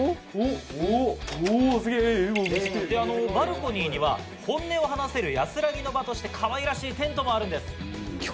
でバルコニーには本音を話せる安らぎの場としてかわいらしいテントもあるんです。